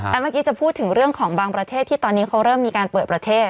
แล้วเมื่อกี้จะพูดถึงเรื่องของบางประเทศที่ตอนนี้เขาเริ่มมีการเปิดประเทศ